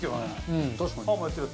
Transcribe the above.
うん確かに。